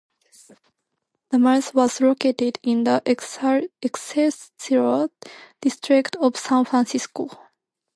The Mel's was located in the Excelsior district of San Francisco.